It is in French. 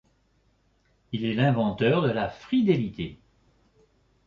Il est l'inventeur de la friedélite.